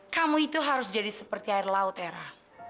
kamu itu harus jadi seperti air laut hera